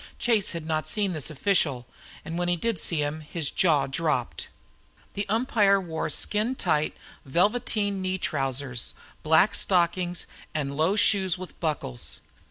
Chase had not seen this official, and when he did see him his jaw dropped. The umpire wore skin tight velveteen knee trousers, black stockings, and low shoes with buckles.